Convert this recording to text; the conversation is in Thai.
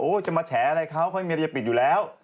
จะมาแฉอะไรเขาค่อยมีอะไรจะปิดอยู่แล้ว